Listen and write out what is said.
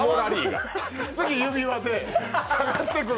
次、指輪で探してくる。